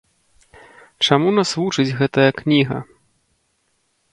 Чаму нас вучыць гэтая кніга?